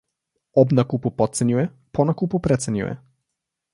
Ob nakupu podcenjuje, po nakupu precenjuje.